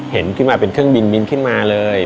เห็นขึ้นมาเป็นเครื่องบินบินขึ้นมาเลย